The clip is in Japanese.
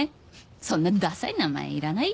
そんなダサい名前いらないよ。